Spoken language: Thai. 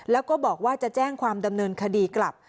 แล้วก็บอกว่าจะแจ้งความดำเนินคดีกลับ